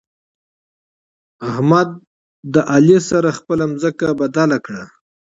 احمد له علي سره خپله ځمکه بدله کړه.